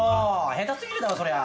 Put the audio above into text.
下手すぎるだろそりゃ！